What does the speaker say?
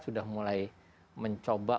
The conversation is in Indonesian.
sudah mulai mencoba